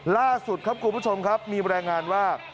ล่าสุดครับคุณผู้ชมครับมีรายงานว่า